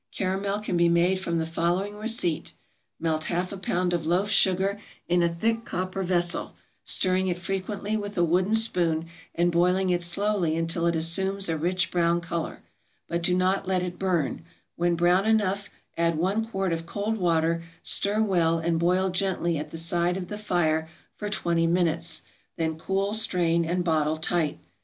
Caramel can be made from the following receipt; melt half a pound of loaf sugar in a thick copper vessel, stirring it frequently with a wooden spoon, and boiling it slowly until it assumes a rich brown color, but do not let it burn; when brown enough add one quart of cold water, stir well, and boil gently at the side of the fire for twenty minutes; then cool, strain, and bottle tight.